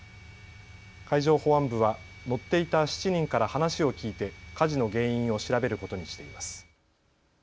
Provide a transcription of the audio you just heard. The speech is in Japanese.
海上保安部は乗っていた７人から話を聞いて火事の原因を調べることにしています。